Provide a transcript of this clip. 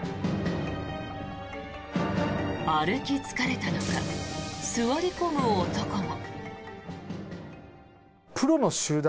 歩き疲れたのか座り込む男も。